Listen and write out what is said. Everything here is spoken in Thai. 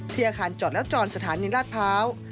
อาคารจอดและจรสถานีราชพร้าว